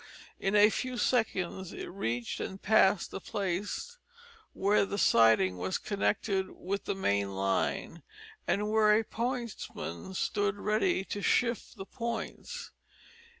In a few seconds it reached and passed the place where the siding was connected with the main line, and where a pointsman stood ready to shift the points.